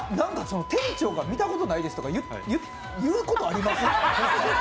店長が見たことないですって言うことあります？